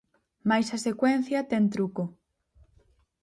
Mais a secuencia ten truco.